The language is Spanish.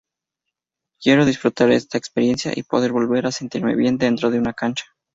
Quiero disfrutar esta experiencia y poder volver a sentirme bien adentro de una cancha.